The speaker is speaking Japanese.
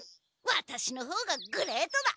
ワタシのほうがグレートだ！